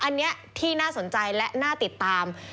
อันนี้ที่น่าสนใจและน่าติดตาม